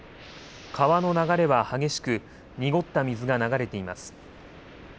川の流れは激しく、濁った水が流れています。